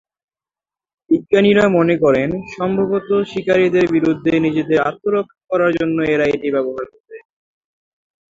বিজ্ঞানীরা মনে করেন, সম্ভবত শিকারীদের বিরুদ্ধে নিজেদের আত্মরক্ষা করার জন্য এরা এটি ব্যবহার করে।